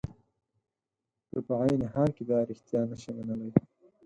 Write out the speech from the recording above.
ته په عین حال کې دا رښتیا نشې منلای.